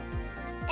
え？